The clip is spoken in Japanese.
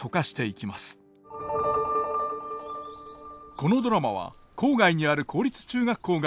このドラマは郊外にある公立中学校が舞台。